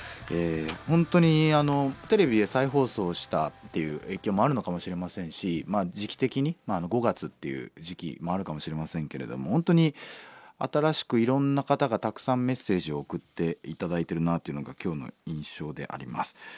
本当にテレビで再放送したっていう影響もあるのかもしれませんし時期的に５月っていう時期もあるかもしれませんけれども本当に新しくいろんな方がたくさんメッセージを送って頂いてるなというのが今日の印象であります。